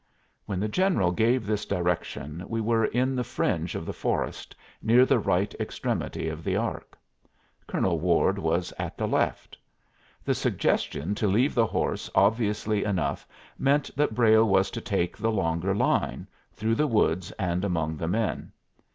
When the general gave this direction we were in the fringe of the forest, near the right extremity of the arc. Colonel Ward was at the left. The suggestion to leave the horse obviously enough meant that Brayle was to take the longer line, through the woods and among the men.